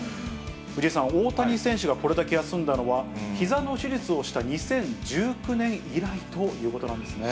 藤井さん、大谷選手がこれだけ休んだのは、ひざの手術をした２０１９年以来ということなんですね。